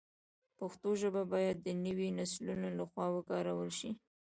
پښتو ژبه باید د نویو نسلونو له خوا وکارول شي.